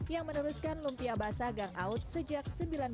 yang meneruskan lumpia basah gangau sejak seribu sembilan ratus tujuh puluh dua